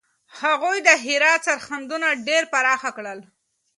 هغوی د هرات سرحدونه ډېر پراخه کړل.